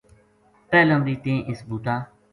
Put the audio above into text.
پہلاں بھی تیں اس بوٹا